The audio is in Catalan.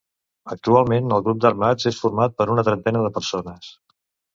Actualment el grup d'armats és format per una trentena de persones.